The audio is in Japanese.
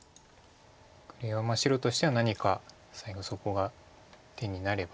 これは白としては何か最後そこが手になればという。